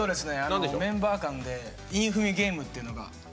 メンバー間で韻踏みゲームっていうのが。